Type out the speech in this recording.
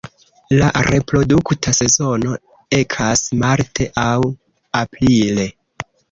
La reprodukta sezono ekas marte aŭ aprile.